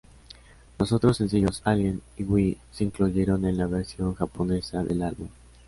Los otros sencillos "Alien" y "Why" se incluyeron en la versión japonesa del álbum.